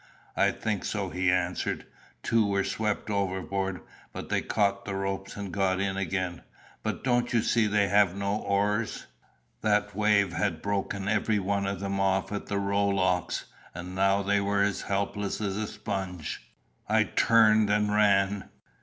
"I think so," he answered. "Two were swept overboard, but they caught the ropes and got in again. But don't you see they have no oars?" That wave had broken every one of them off at the rowlocks, and now they were as helpless as a sponge. I turned and ran.